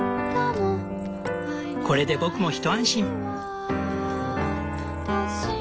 これで僕も一安心。